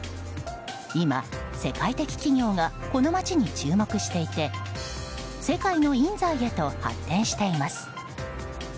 今、世界的企業がこの街に注目していて世界のＩＮＺＡＩへと発展しています。